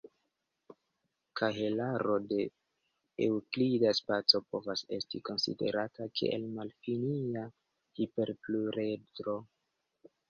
Kahelaro de eŭklida spaco povas esti konsiderata kiel malfinia hiperpluredro.